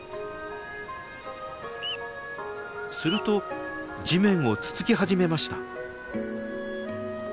すると地面をつつき始めました。